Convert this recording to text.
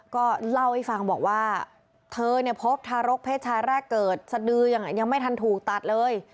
ก็เล่าให้ฟังบอกว่าเธอเนี่ยพบทารกเพศชายแรกเกิดสดือยังไม่ทันถูกตัดเลย